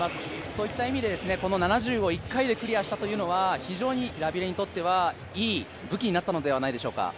そういった意味で７０を１回でクリアしたというのは非常にラビレニにとっては、いい武器になったのではないでしょうか。